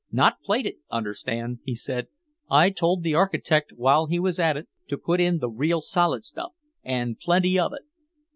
"Not plated, understand," he said. "I told the architect while he was at it to put in the real solid stuff and plenty of it!"